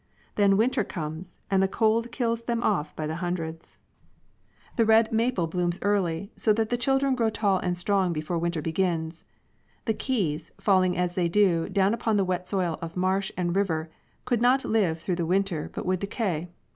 Then winter comes and the cold kills them off by the hundreds. 98 6. Plantlet Removed from THE Seed. The red maple blooms early, so that the children grow tall and strong before winter begins. The keys, falling as they do upon the wet soil of marsh and river, could not live through the win ter but would decay.